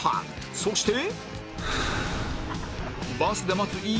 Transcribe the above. そして